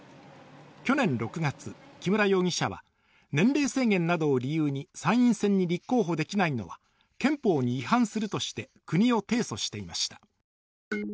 去年６月、木村容疑者は年齢制限などを理由に参院選に立候補できないのは憲法に違反するとして国を提訴していました。